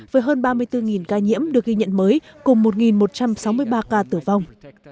với hơn ba mươi bốn ca nhiễm được ghi nhận mới cùng một một trăm sáu mươi ba ca tử vong